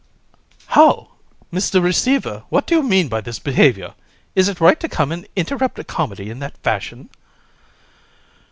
COUN. How! Mr. Receiver, what do you mean by this behaviour? Is it right to come and interrupt a comedy in that fashion?